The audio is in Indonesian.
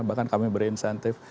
bahkan kami beri insentif